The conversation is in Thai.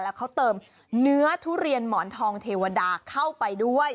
แล้วเขาเติมเนื้อทุเรียนหมอนทองเทวดาเข้าไปด้วย